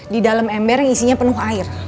di dalam ember yang isinya penuh air